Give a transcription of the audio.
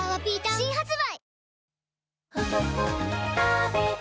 新発売